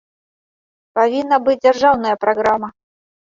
Павінна быць дзяржаўная праграма.